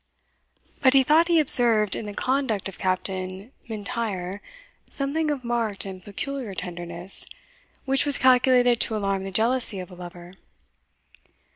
But he thought he observed in the conduct of Captain M'Intyre something of marked and peculiar tenderness, which was calculated to alarm the jealousy of a lover.